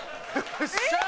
よっしゃ！